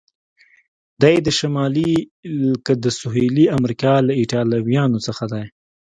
دی د شمالي که د سهیلي امریکا له ایټالویانو څخه دی؟